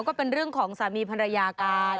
ก็เป็นเรื่องของสามีภรรยากัน